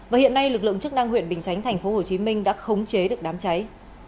và hiện nay lực lượng chức năng huyện bình chánh thành phố hồ chí minh đã khống chế được đám cháy